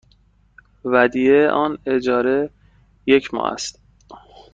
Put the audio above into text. ودیعه آن اجاره یک ماه است.